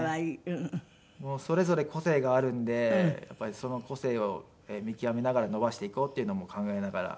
それぞれ個性があるんでやっぱりその個性を見極めながら伸ばしていこうっていうのも考えながら。